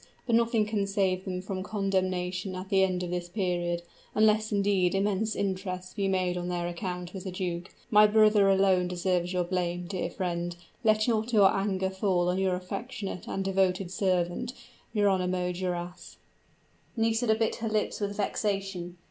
But nothing can save them from condemnation at the end of this period, unless indeed immense interests be made on their account with the duke. My brother alone deserves your blame, dear friend; let not your anger fall on your affectionate and devoted servant. "JERONYMO DURAS." Nisida bit her lips with vexation.